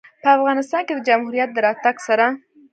په افغانستان کې د جمهوریت د راتګ سره